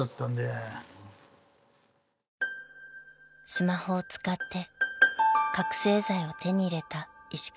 ［スマホを使って覚醒剤を手に入れた石川さん］